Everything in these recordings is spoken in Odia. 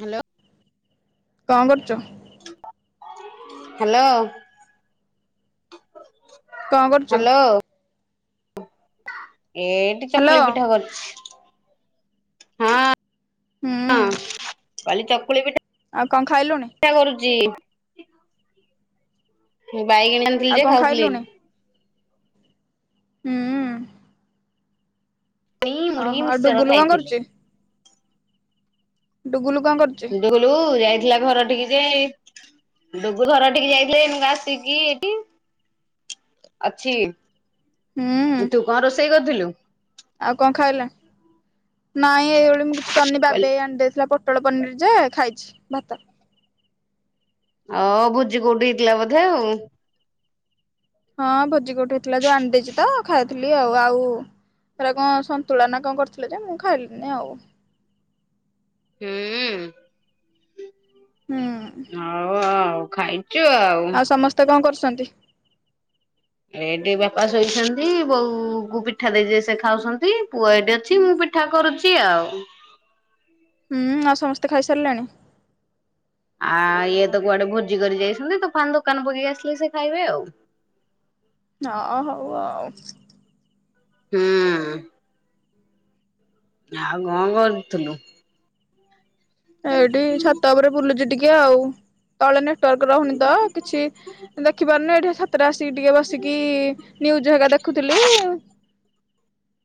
ହ୍ୟାଲୋ। କଣ କରୁଛ? ହ୍ୟାଲୋ। କଣ କରୁଚୁ? ଏଠି ହ୍ୟାଲୋ ଚକୁଳି ପିଠା କରୁଛି ହଁ। ହୁଁ ହଁ ଖାଲି ଚକୁଳି ପିଠା ଆଉ କଣ ଖାଇଲୁଣି? ପିଠା କରୁଛି। ବାଇଗିଣି ଛାଣୁଥିଲି ଆଉ ଯେ କଣ ଖାଉଥିଲି। ଖାଇଲୁଣି ହୁଁ। ପୁଣି ମୁଢି ଓହୋ ଏବେ ମିକ୍ସଚର ଗୁଲୁ କଣ ଖାଇଥିଲି। କରୁଛି? ତୁ ଗୁଲୁ କଣ କରୁଚୁ? ଡୁ ଗୁଲୁ ଯାଇଥିଲା ଘର ଠିକି ଯେ ଡୁଗୁଲୁ ଘର ଠିକି ଯାଇଥିଲା ଏଇନିକା ଆସିକି ଏଠି ଅଛି। ହୁଁ ତୁ କଣ ରୋଷେଇ କରିଥିଲୁ? ଆଉ କଣ ଖାଇଲା? ନାଇଁ ଏଇବଳି ମୁଁ କିଛି କରିନି ବାବି କହିଲି ଭାଇ ଆଣିଦେଇଥିଲା ପୋ ଟଳ ପନିର୍ ଯେ ଖାଇଛି ଭାତ। ଅ ଭୋଜି କୋଉଠି ହେଇଥିଲା ବୋଧେ ଆଉ। ହଁ ଭୋଜି କୋଉଠି ହେଇଥିଲା ଯୋଉ ଆଣିଦେଇଛି ତ ଖାଇଥିଲି ଆଉ ଆଉ ସୋଟା କଁ ସନ୍ତୁଳନା କଣ କରିଥିଲେ ଯେ ମୁଁ ଖାଇଲିିନି ଆଉ। ହୁଁ। ହୁଁ। ହଉ ଆଉ ଖାଇଚୁ ଆଉ। ଆଉ ସମସ୍ତେ କଣ କରୁଛନ୍ତି? ଏଠି ବାପା ଶୋଇଛନ୍ତି ବୋଉ କୁ ପିଠା ଦେଇଚି ସେ ଖାଉଛନ୍ତି ପୁଅ ଏଇଠି ଅଛି ମୁଁ ପି ଠା କରୁଚି ଆଉ। ହୁଁ ଆଉ ସମସ୍ତେ ଖାଇସାରିଲେଣି? ଆ ଇଏ ତ କୁଆଡେ ଭୋଜି କରି ଯାଇଛନ୍ତି ତୋଫାନ୍ ଦୋକାନ ପକେଇକି ଆସିଲେ ସେ ଖାଇବେ ଆଉ। ହଁ ହଉ ଆଉ। ହୁଁ। ଆଉ କଣ କରିଥିଲୁ? ଏଇଠି ଛାତ ଉପରେ ବୁଲୁଚି ଟିକେ ଆଉ ତଳେ ନେ ନେଟୱାର୍କ ରହୁନି ତ କିଛି ଦେଖିପାରୁନି ଏଠି ଛାତ ତରେ ଆସିକି ଟିକେ ବସିକି ନିଉଜୁ ହେଗା ଦେଖୁଥିଲି।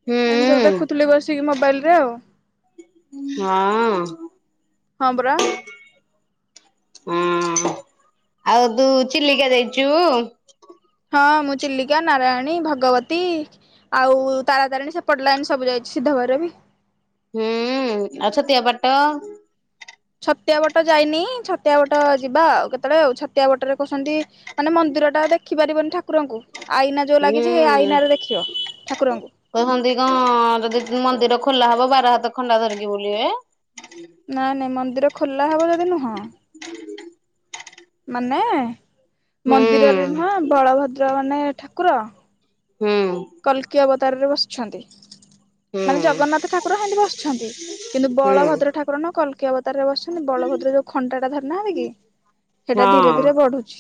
ହୁଁ ଏମିତି ସବୁ ଦେଖୁଥିଲି ବସିକି ମୋବାଇଲ୍ ରେ ଆଉ। ହଁ। ହଁ ପରା। ହଁ ଆଉ ତୁ ଚିଲିକା ଯାଇଚୁ? ହଁ ମୁଁ ଚିଲିକା ନାରାୟଣୀ ଭଗବତୀ ଆଉ ତାରାତାରିଣୀ ସେ ପଟ୍ ଲାଇନ୍ ସବୁ ଯାଇଛି ସିଦ୍ଧ ଭଇରବି। ହୁଁ ଆଉ ଛତିଆ ବାଟ। ଛତିଆ ବଟ ଯାଇନି ଛତିଆ ବଟ ଯିବା ଆଉ କେତେବେଳେ ଆଉ ଛତିଆ ବଟ ରେ କହୁଛନ୍ତି ମାନେ ମନ୍ଦିର ଟା ଦେଖି ପାରିବନି ଠାକୁରଙ୍କୁ ଆଇନା ଯୋଉ ହୁଁ। ଲାଗିଛି ହେଇ ଆଇନ ରେ ଦେଖିବ ଠାକୁରଙ୍କୁ। କହୁଚନ୍ତି କଁ ଯଦି ମନ୍ଦିର ଖୋଲା ହବ ବାର ହାତ ଖଣ୍ଡା ଧରିକି ବୁଲିବେ? ନାଇଁ ନାଇଁ ମନ୍ଦିର ଖୋଲା ହବ ଯଦି ନୁହଁ। ମାନେ ମନ୍ଦିରରେ ହୁଁ ନୁହଁ ବଳଭଦ୍ର ମାନେ ଠାକୁର ହୁଁ। କଲ୍କି ଅବତାରରେ ବସିଚନ୍ତି। ମାନେ ହୁଁ ଜଗନ୍ନାଥ ଠାକୁର ହେନ୍ତି ବସିଛନ୍ତି କିନ୍ତୁ ହୁଁ। ବଳଭଦ୍ର ଠାକୁର ନ କଲ୍ କି ଅବ ତାର୍ ରେ ବସ୍ଛନ୍ତି ବଳଭଦ୍ର ଯୋଉ ଖଣ୍ଟା ଟା ଧରିନାହାନ୍ତି କି ସେଟା ଧୀରେ ହଁ ଧୀରେ ବଢୁଚି।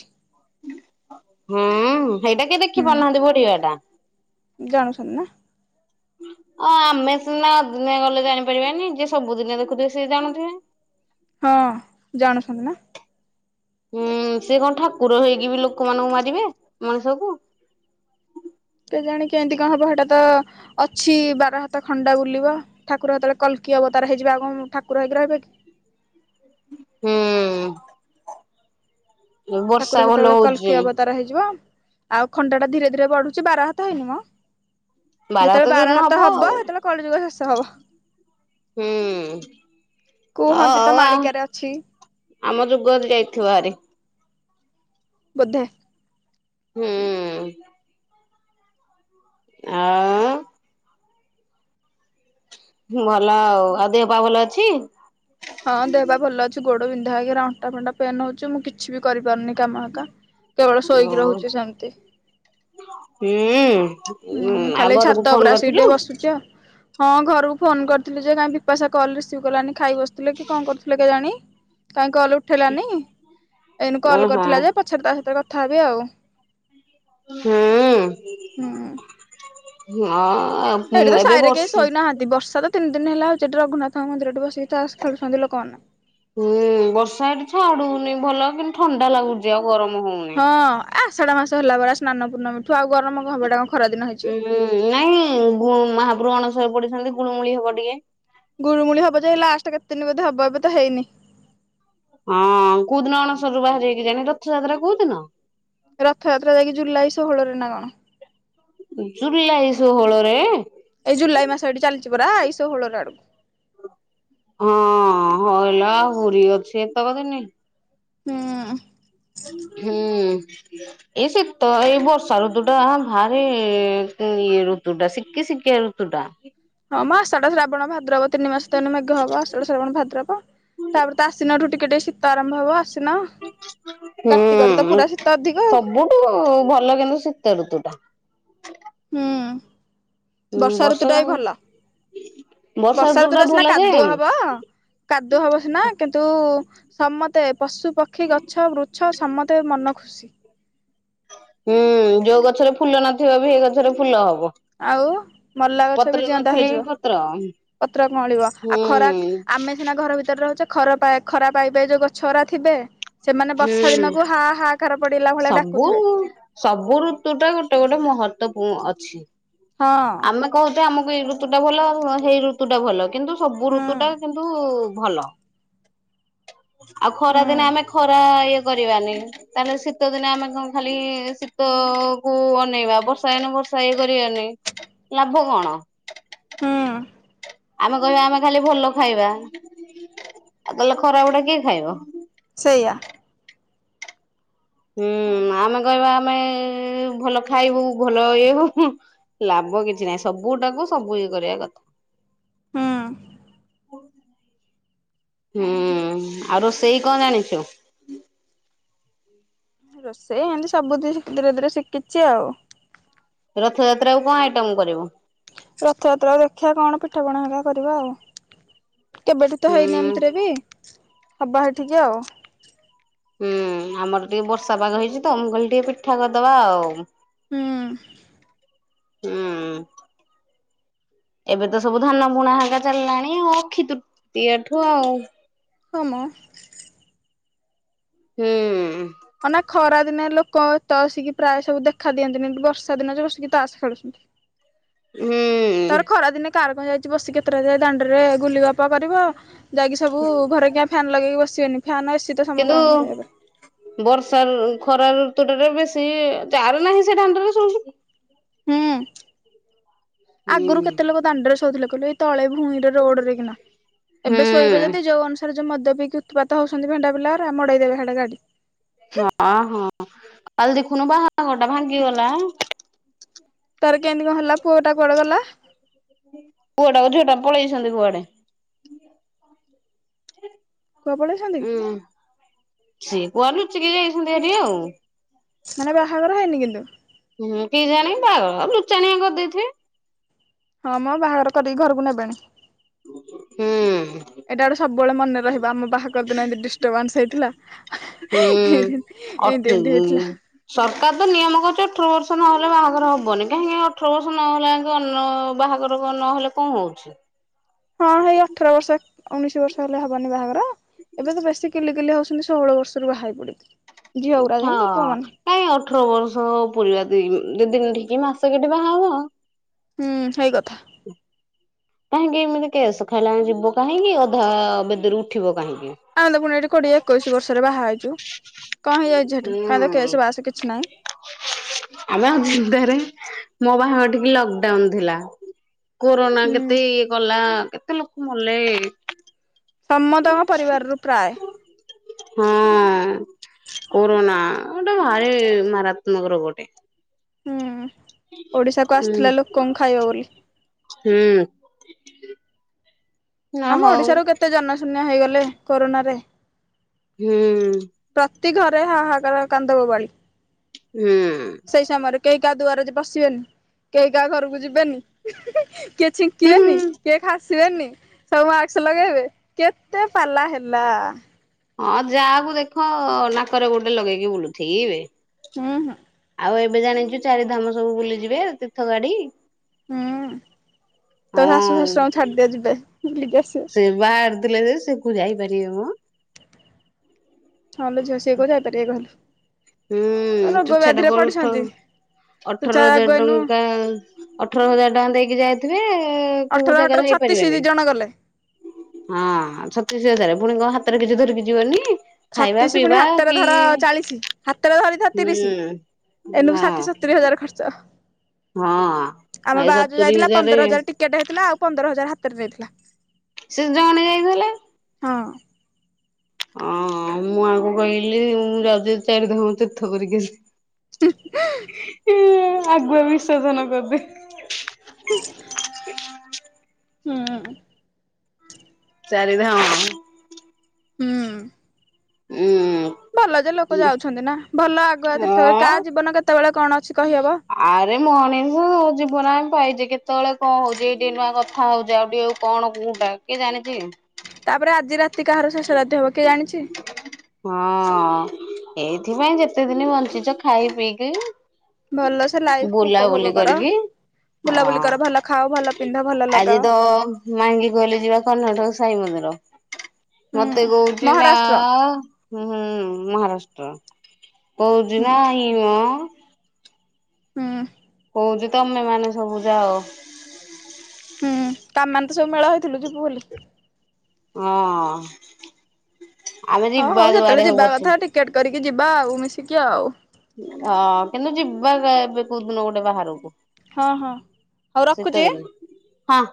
ହୁଁ ସେଇଟା କିଏ ଦେଖି ହୁଁ ପାରୁନାହାନ୍ତି ବଢିବା ଟା? ଜାଣୁଛନ୍ତି ନା। ଅ ଆମେ ସିନା ଦିନେ ଗଲେ ଜାଣିପାରିବାନି ଯିଏ ସବୁଦିନେ ଦେଖୁଥିବେ ସେ ଜାଣଥିବେ। ହଁ ଜାଣୁଛନ୍ତି ନା। ହୁଁ ସେ କଁ ଠାକୁର ହେଇକି ବି ଲୋକମାନଙ୍କୁ ମାରିବେ ମଣିଷକୁ। କେଜାଣିି କେମ୍ତି କଣ୍ ହେବ ସେଟା ତ ଅଛି ବାର ହାତ ଖଣ୍ଡା ବୁଲିବ ଠାକୁର ହେତବେଳେ କଲ୍କି ଅବତାର ହେଇଯିବ ଆଉ କଣ ଠାକୁର ହେଇକି ରହିବେ। ହୁଁ। ବର୍ଷା ଠାକୁର ଭଲ ସେତେବେଳେ ହଉଛି। କଲ୍କି ଅବତାର ହେଇଯିବ ଆଉ ଖଣ୍ଡା ଟା ଧୀରେ ଧୀରେ ବଢୁଚି ବାରହା ଧଇନି ମ ଯେତେବେଳେ ବାର ହାତ ହବ ସେତେବେଳେ କଳି ଯୁଗ ଶେଷ ହବ। ହୁଁ ଅ କୁହନ୍ତି ତ ଆଉ ଆ ମାଳିକାରେ ଅଛି। ଆମ ଯୁଗ ଯାଇଥିବ ହାରି। ବୋଧେ। ହୁଁ। ଆ ଭଲ ଆଉ- ଆଉ ଦେହ ପା ଭଲ ଅଛି? ହଁ ଦେହପା ଭଲ ଅଛି। ଗୋଡ ବିନ୍ଧା ହେଇକି ହେରା ଅଣ୍ଟା ଫଣ୍ଟା ପେନ୍ ହଉଚି ମୁଁ କିଛି ବି କରିପାରୁନି କାମ ହେକା। କେବଳ ଶୋଇକି ରହୁଛି ସେମିତି ଓଃ -ହୁଁ। ହୁଁ ଆଉ ଖାଲି ଘରକୁ ଛାତ ଫୋନ ଉପରେ ଆସିକି ଟିକେ କରିଥିଲୁ ବସୁଚି ଆଉ। ହଁ ଘରକୁ ଫୋନ୍ କରିଥିଲି ଯେ କାଇଁ ବିପାଶା କଲ୍ ରିସିଭ୍ କଲାନି ଖାଇ ବସିଥିଲେ କି କଣ କରୁଥିଲେ କେଜାଣି। କାଇଁ କଲ୍ ଉଠେଇଲାନି। ଏଇନୁ କଲ୍ କରିଥିଲା ଓହୋ। ଯେ ପଛରେ ତା ସହିତ କଥା ହେବି ଆଉ। ହୁଁ। ହୁଁ। ହଁ ଅପ୍ ଏଇଠି ତ ସାଇରେ କେହି ଶୋଇନାହାନ୍ତି। ଏଇ ବର୍ଷାରେ ତିନି ଦିନ ହେଲା ସେଠି ରଘୁନାଥ ମନ୍ଦିରରେ ବିସିକି ତାସ୍ ଖେଳୁଚନ୍ତି ଲୋକମାନେ। ହୁଁ ବର୍ଷା ଏଠି ଛାଡୁନି ‌ଭଲ କିନ୍ତୁ ଥଣ୍ଡା ଲାଗୁଚି ଆଉ ଗରମ ହଉନି। ହଁ ଆଷାଢ ମାସ ହେଲା ପରା ସ୍ନାନ ପୂର୍ଣ୍ଣମୀ ଠୁ ଆଉ ଗରମ କଣ ହବ ଏଟା କଣ ଖରା ଦିନ ହେଇଚି। ହୁଁ ନାଇଁ ମହାପ୍ରଭୁ ଅଣସରରେ ପଡିଛନ୍ତି ଗୁଳୁମୁଳି ହବ ଟିକେ। ଗୁଳୁଗୁଳି ହବ ଯାଇ ଲାଷ୍ଟେ କେତେ ଦିନ ବଧେ ହବ ଏବେ ତ ହେଇନି। ହଁ କଉ ଦିନ ଅଣସରରୁ ବାହାରିବେ କେଜାଣି ରଥଯାତ୍ରା କଉଦିନ? ରଥଯାତ୍ରା ଯାଇକି ଜୁଲାଇ ଷୋହଳରେ ନା କଣ। ଜୁଲାଇ ଷୋହଳରେ? ଏଇ ଜୁଲାଇ ମାସ ଏଠି ଚାଲିଚି ପରା ଏଇ ଷୋହଳ ର ଆଡକୁ। ହଁ ହଇଲୋ ଆହୁରି ଅଛି ଏତେକଦିନି। ହୁଁ। ହୁଁ। ଏଇ ଶୀତ ଏଇ ବର୍ଷା ଋତୁ ଟା ଭାରି ଇଏ ଋତୁ ଟା ଶିକି ଶକିଆ ଋତ୍ ତୁ ଟା। ହଁ ମ ଆଷାଢ଼, ଶ୍ରାବଣ, ଭାଦ୍ ଦ୍ରବ ତିନି ମାସ ତ ଏଇନା ମେଘ ହବ ଆଷାଢ, ଶ୍ରାବଣ, ଭାଦ୍ରବ ତାପରେ ତ ଆଶ୍ଵିନ ଠୁ ଟିକେ ଟିକେ ଶି ଶୀତ ଆରମ୍ଭ ହବ ଆଶ୍ଵିନ କାର୍ତ୍ତିକରେ ତ ହୁଁ ପୁରା ଶୀତ ଅଧିକ ଆଉ। ସବୁଠୁ ଭଲ କିନ୍ତୁ ଶୀତ ଋତୁ ଟା। ହୁଁ। ହୁଁ ବର୍ଷା ଋତୁ ବର୍ଷ ଟା ବି ଯାକ ବର୍ଷା ଭଲବର୍ଷା ଋତୁ ଟା ସିନା ଭଲ ଯେ କାଦୁଅ ହବ କାଦୁଅ ହବ ସିନା କିନ୍ତୁ ସମତେ ପଶୁ, ପକ୍ଷୀ, ଗଛ, ବୃଛ, ସମତେ ମନ [inaudible] ହୁଁ ଯଉ ଗଛରେ ଫୁଲ ନଥିବ ବି ହେଇ ଗଛରେ ଫୁଲ ହବ। ଆଉ ମଲା ଗଛ ପତ୍ର ବି ଜିଅନ୍ତା ନଥିଲେ ବି ହେଇଯିବ। ପତ୍ର ପତ୍ର କଅଁଳିବ ଆଉ ହୁଁ ଖରା ଆମେ ସିନା ଘର ଭିତରେ ରହୁଚେ ଖରା ପା ଖରା ପାଇ ପାଇ ଯଉ ଗଛରା ଥିବେ ସେମାନେ ବର୍ଷା ହୁଁ। ଦିନକୁ ହା ହା କାର ପଡିଲା ଭଳିଆ ଡାକୁଥିବେ ସବୁ- ସବୁ ଋତୁ ଟା ଗୋଟେ ଗୋଟେ ମହତ୍ବ ପୂ- ଅଛି। ହଁ। ଆମେ କହୁଚେ ଆମକୁ ଏଇ ଋତୁ ଟା ଭଲ ଆଉ ହେଇ ଋତୁ ଟା ଭଲ କିନ୍ତୁ ସବୁ ହୁଁ ଋତୁଟା କିନ୍ତୁ ଭଲ। ଆଉ ଖରା ହୁଁ ଦିନେ ଆମେ ଖରା ଇଏ କରିବାନି ତାହେଲେ ଶୀତ ଦିନେ ଆମେ କଣ ଖାଲି ଶୀତ କୁ ଅନେଇବା ବର୍ଷା ଦିନେ ବର୍ଷା ଇଏ କରି ବା ନେହିଁ। ଲାଭ କଣ? ହୁଁ। ଆମେ କହିବା ଆମେ ଖାଲି ଭଲ ଖାଇବା ଆଉ ତାହେଲେ ଖରାପ ଉଡା କିଏ ଖାଇବ। ସେଇଆ। ହୁଁ ଆମେ କହିବା ଆମେ ଭଲ ଖାଇବୁ ଭଲ ଇଏ ହବୁ। ଲାଭ କିଛି ନାହିଁ ସବୁ ଟାକୁ ସବୁ ଇଏ କରିବା କଥା। ହୁଁ ହ [unintelligible] ହୁଁ ଆଉ ରୋଷେଇ କଣ ଜାଣିଛୁ? ରୋଷେଇ ଏମିତି ସବୁଥିରେ ଧୀରେ ଧୀରେ ଶିଖିଛି ଆଉ। ରଥଯାତ୍ରା କୁ କଣ ଆଇଟମ କରିବୁ? ରଥଯାତ୍ରାକୁ ଦେଖିବା କଣ ପିଠାପଣା ହେରିକା କରିବା ଆଉ। କେବେଠୁ ତ ହେଇନି ହୁଁ ଏମିତିରେ ବି ହବା ହେଠିକି ଆଉ। ହୁଁ ଆମର ଟିକେ ବର୍ଷା ପାଗ ହେଇଛି ତ ମୁଁ କହିଲି ଟିକେ ପିଠା କରିଦବା ଆଉ। ହୁଁ। ହୁଁ। ଏବେ ତ ସବୁ ଧାନ ବୁଣା ହେରିକା ଚାଲିଲାଣି ଅକ୍ଷିତୃତୀୟା ଠୁ ଆଉ। ହଁମ। ହୁଁ। ମାନେ ଖରା ଦିନେ ଲୋକ ଏତେଆସିକି ପ୍ରାୟ ସବୁ ଦେଖା ଦିଅନ୍ତିନି ବର୍ଷା ଦିନ ଯେ ବସିକି ତାସ ଖେଳୁଛନ୍ତି। ହୁଁ। ତା ପରେ ଖରା ଦିନେ କାର କଣ ଯାଇଛି ବସି ଏତେଟା ଯା ଏ ଦାଣ୍ଡରେ ଗୁଲି ଗ ପ କରିବ ଯାଇକି ସବୁ ଘରେ କିିଆଁ ଫ୍ୟାନ୍ ଲଗେଇକି ବସିବେନି ଫ୍ୟାନ୍ ଏସି ତ କିନ୍ତୁ ସମସ୍ତଙ୍କ ଘରେ ଏବେ ବର୍ଷା ଖରା ଋତୁ ଟାରେ ବେଶୀ ଯାର ନାହିଁ ସେ ଦାଣ୍ଡରେ ଶୋଉଚନ୍ତି। ହୁଁ ହୁଁ ଆଗରୁ କେତେ ଲୋକ ଦାଣ୍ଡରେ ଶୋଉଧଥିଲେ କହିଲୁ ଏ ତଳେ ଭୂଇଁ ରେ ରୋଡ ରେ କିନା ହୁଁ ଏବେ ଶୋଇବେ ଯଦି ଯୋଉ ଅନୁସାରେ ଯୋଉ ମଦ ପିଇକି ଉତ୍ପାତ ହୋଉଚନ୍ତି ଭେଣ୍ଡା ପିଲାଗୁରା ମଡ଼େଇ ଦେବେ ସାଡେ ଗାଡି। ନାଁ ହଁ କାଲି ଦେଖୁନୁ ବାହାଘର ଟା ଭାଙ୍ଗିଗଲା। ତାର କେମିତି କଣ ହେଲା ପୁଅଟା କୁଡେ ଗଲା? ପୁଅ ଟା କୁ ଝୁଅ ଟା ପଳେଇଛନ୍ତି କୁଆଡେ। କୁଆ ପଳେଇଛନ୍ତି ହୁଁ ସିଏ କୁଆଡେ ଲୁଚିକି ଯାଇଛନ୍ତି ହେରି ଆଉ। ମାନେ ବାହାଘର ହେଇନି କିନ୍ତୁ। ହୁଁ କେଜାଣି ବାହାଘର ଲୁଚାଣିଆ କରିଦେଇଥିବେ। ହଁ ମ ବାହାଘର କରିକି ଘରକୁ ନେବେଣି। ହୁଁ। ଏଇଟା ଗୋଟେ ସବୁବେଳେ ମନେ ରହିବ ଆମ ବାହାଘର ଦିନ ଏମିତି ଡିଷ୍ଟର୍ବାନ୍ସ ହେଇଥିଲା। ହୁଁ ଏମିତି ଏମିତି ଅଠ ଏମିତି ହେଇଥିଲା ସରକାର ତ ନିୟମ କରୁଚି ଅଠର ବର୍ଷ ନହେଲେ ବାହାଘର ହବନି କାହିଁକି ଅଠର ବର୍ଷ ନହେଲେ ଅଙ୍କେ ଅନ ବାହାଘର ରୋଗ ନହେଲେ କଣ ହୋଉଚି। ହଁ ସେଇ ଅଠର ବର୍ଷ ଉଣେଇଶି ବର୍ଷ ହେଲେ ହବନି ବାହାଘର? ଏବେ ତ ବେଶୀ କିଲିକିଲି ହୋଉଚନ୍ତି ଷୋହଳ ବର୍ଷରୁ ବା ହେଇ ପଡ଼ିକି। ହଁ। ନାଇଁ ଅଠର ବର୍ଷ ପୁରିବା ଦିଇ ଦ ଦିନ ଠିକ୍ ମାସେ କେଟେ ବାହାହବ। ହୁଁ ସେଇ କଥା। କାହିଁକି ଏମିତି କେସ ଖାଇଲା ଯାଏଁ ଯିବୁ କାହିଁକି ଅଧା ବେଦୀରୁ ଉଠିବ କାହିଁକି। ଆମେ ପୁଣି ଏଠି କୋଡିଏ ଏକୋଇଶି ବର୍ଷରେ ବାହା ହେଇଛୁ କଣ ହେଇଯାଇଛି ସେଠୁ କାହିଁ ହୁଁ କେସ ବାସ କିଛି ନାହିଁ। ଆମେ ଅଚିନ୍ତାରେ ମୋ ବାହାଘର ଟିକି ଲକଡାଉନ ଥିଲା। କୋରୋନା ହୁଁ କେତେ ଇଏ କଲା କେତେ ଲୋକ ମଲେ। ସମସ୍ତଙ୍କ ପରିବାରରୁ ପ୍ରାୟ। ହଁ କୋରୋନା ଗୋଟେ ଭାରି ମାରାତ୍ମକ ରୋଗ ଟେ। ହୁଁ ଓଡିଶା କୁ ହୁଁ ଆସିଥିଲା ଲୋକଙ୍କୁ ଖାଇବ ବୋଲି। ହୁଁ। ଅ ଆମ ହଉ ଓଡ଼ିଶାରୁ କେତେ ଜନଶୂନ୍ୟ ହେଇଗଲେ କରୋନାରେ। ହୁଁ। ପ୍ରତି ଘରେ ହାହାକାର କାନ୍ଦବବାଳି। ହୁଁ। ସେଇ ସମୟରେ କେହି କାହା ଦୁଆରେ ପଶିବେନି କେହି କାହା ଘରକୁ ଯିବେନି। କିଏ ହୁଁ ଛିଙ୍କିବନି, କିଏ କାଶି ସି ବେନି ସବୁ ମାସ୍କ ଲଗେଇବେ କେତେ ପାଲା ହେଲା। ହଁ, ଯାହାକୁ ଦେଖ ନାକରେ ଗୋଟେ ଲଗେଇକି ବୁଲୁଥିବେ। ହୁଁ ହୁଁ ଆଉ ଏବେ ଜାଣିଛୁ, ଚାରିଧାମ ସବୁ ବୁଲିଯିବେ ତୀର୍ଥଗାଡ଼ି। ହୁଁ, ତୋ ଶାଶୁ ଶ୍ୱଶୁରଙ୍କୁ ଛାଡ଼ିଦେ, ଯିବେ ବୁଲିକି ଆସିବେ। ସେ ବାହାରିଥିଲେ ଯେ, ସେ କୋଉ ଯାଇପାରିବେ ମ? ହଁଲୋ ଝିଅ, ସେ କୋଉ ଯାଇପାରିବେ [unintelligible] ହୁଁ, ରୋଗ ତୁଚ୍ଛା ଟା ବ୍ୟାଧିରେ କୋଳ ଉଠଉ ପଡିଛନ୍ତି ତୁ ଛା ଅଠର ଆଗ ହଜାର ଏଇନୁ ଟଙ୍କା ଅଠର ହଜାର ଟଙ୍କା ଦେଇକି ଯାଇଥିବେ, କୋଉ ଅଠର ଅଠର ଜାଗାରେ ଛତିଶ ଯାଇପାରିବେନି। ଦି ଜଣ ଗଲେ। ହଁ, ଛତିଶ ହଜାର। ପୁଣି କଣ ହାତରେ କିଛି ଧରିକି ଯିବନି? ଖାଇବା ଛତିଶ, ପୁଣି ପିଇବା ହାତରେ କି ଧର ଚାଳିଶି। ହାତରେ ଧରିଥା ହୁଁ ତିରିଶ। ଏନୁ ହଁ ଷାଠିଏ ସତୁରୀ ହଜାର ଖର୍ଚ୍ଚ। ହଁ ଆମ ଏ ବା ଯୋଉ ସତୁରି ଯାଇଥିଲା, ପନ୍ଦର ହଜାର ଟିକେଟ ହେଇଥିଲା ଆଉ ପନ୍ଦର ହଜାର ହାତରୁ ନେଇଥିଲା। ସେ ଜଣେ ଯାଇଥିଲେ। ହଁ, ଓଁ ମୁଁ ଆଙ୍କୁ କହିଲି, ମୁଁ ଯାଉଛି ଚାରିଧାମ ତୀର୍ଥ କରିକି ଆସି [unintelligible] ଆଗୁଆ ବିସର୍ଜନ କରିଦେ। [inaudible] ହୁଁ, ଚାରିଧାମ ହୁଁ, ଉଁ, ଭଲ ଯେ ଲୋକ ଯାଉଛନ୍ତି ନା, ଭଲ ଆଗୁଆ ତୀର୍ଥ! ହଁ କାହା ଜୀବନ କେତେବେଳେ କଣ ଅଛି କହିହେବ? ଆରେ ମଣିଷ ଜୀବନ ଆମ ପାଇଛେ, କେତେବେଳେ କଣ ହଉଛି, ଏଇଟି ନୂଆ କ କଥା ହଉଛି, ଆଉ ଟିକେ କଣ କୋଉଟା କିଏ ଜାଣିଛି? ତାପରେ, ଆଜି ରାତି କାହାର ଶେଷ ରାତି ହେବ, କିଏ ଜାଣିଛି? ହଁ, ଏଇଥିପାଇଁ ଯେତେ ଦିନ ବଞ୍ଚିଛ, ଖାଇପିଇକି ଭଲ ସେ ଲାଇଫ୍ କୁ ଉପଭୋଗ କର। କରିକି ବୁଲାବୁଲି ହଁ କର, ଭଲ ଖାଅ, ଭଲ ପିନ୍ଧ, ଭଲ ଲଗାଅ। ମାଇଁକି କହିଲି ଯିବା କର୍ଣ୍ଣାଟକ ସାଇ ମନ୍ଦିର, ହୁଁ ମତେ କହୁଛି ନା ମହାରାଷ୍ଟ୍ର ହୁଁ ହୁଁ, ମହାରାଷ୍ଟ୍ର କୋହୁଛି ହୁଁ ନାଇମ। ହୁଁ। କହୁଚି, ତମେମାନେ ସବୁ ଯାଅ। ହୁଁ, ତମେମାନେ ତ ମେଳ ହେଇଥିଲୁ ଯିବୁ ବୋଲି? ହଁ, ଆମେ ଯିବା ଯୁଆଡ଼େ ହେଉ ପଛେ। ଟିକେଟ୍ କରିକି ଯିବା ଆଉ, ମିଶିକି ଆଉ। ଆ, କିନ୍ତୁ ଯିବା ଏବେ କୋଉଦିନ ଗୋଟେ ବାହାରକୁ? ହଁ ହଁ। ହଉ ରଖୁଛି। ଶୀତଦିନେ, ହଁ।